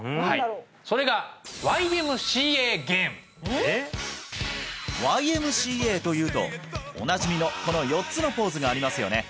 それがＹＭＣＡというとおなじみのこの４つのポーズがありますよね？